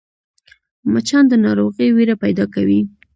مچان د ناروغۍ وېره پیدا کوي